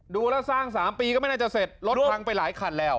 ดูแล้วสร้าง๓ปีก็ไม่น่าจะเสร็จรถพังไปหลายคันแล้ว